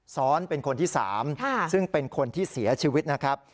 เป็นคนที่๓ซึ่งเป็นคนที่เสียชีวิตนะครับ